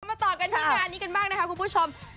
มาต่อกันที่งานนี้กันบ้างนะคะคุณผู้ชม